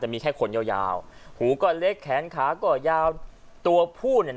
มีแค่ขนยาวยาวหูก็เล็กแขนขาก็ยาวตัวผู้เนี่ย